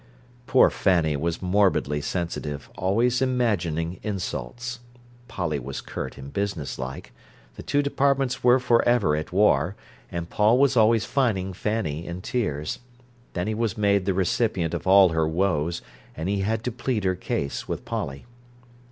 Poor Fanny was morbidly sensitive, always imagining insults. Polly was curt and businesslike. The two departments were for ever at war, and Paul was always finding Fanny in tears. Then he was made the recipient of all her woes, and he had to plead her case with Polly.